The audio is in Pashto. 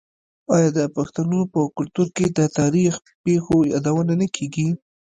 آیا د پښتنو په کلتور کې د تاریخي پیښو یادونه نه کیږي؟